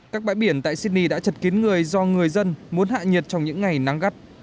các bãi biển tại sydney đã chật kín người do người dân muốn hạ nhiệt trong những ngày nắng gắt